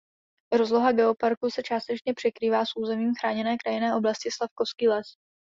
Rozloha geoparku se částečně překrývá s územím Chráněné krajinné oblasti Slavkovský les.